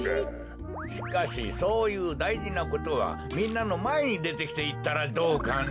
しかしそういうだいじなことはみんなのまえにでてきていったらどうかね？